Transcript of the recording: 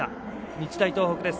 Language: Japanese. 日大東北です。